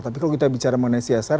tapi kalau kita bicara mengenai csr